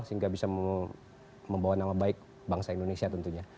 sehingga bisa membawa nama baik bangsa indonesia tentunya